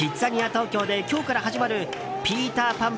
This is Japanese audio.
東京で今日から始まるピーター・パン